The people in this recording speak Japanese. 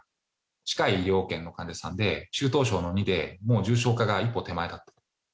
近い医療圏からの患者さんで中等症の２でもう重症化一歩手前だと。